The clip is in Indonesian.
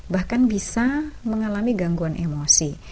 bahkan bisa mengalami gangguan emosi